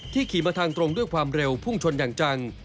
ขี่มาทางตรงด้วยความเร็วพุ่งชนอย่างจัง